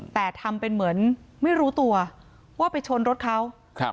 แต่ทำเป็นเหมือนไม่รู้ตัวว่าไปชนรถเขาครับ